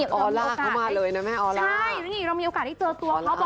คือไม่รู้จะสั่นหาคำไหนมาขอบคุณดีแล้วเนี่ยก็เป็นครั้งแรกเลยนะ